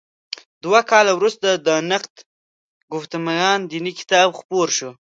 دوه کاله وروسته د «نقد ګفتمان دیني» کتاب خپور شو.